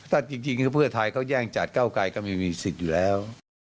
ถ้าจริงเพื่อไทยเขาแย่งจัดเก้าไกรก็ไม่มีสิทธิ์อยู่แล้ว